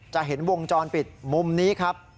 จะเห็นวงจรปิดมุมนี้ครับ